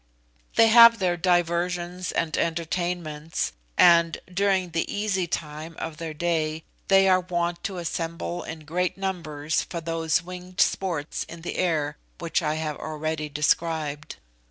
They have their diversions and entertainments, and, during the Easy Time of their day, they are wont to assemble in great numbers for those winged sports in the air which I have already described.